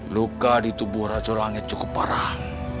luka di tubuh racu langit cukup parah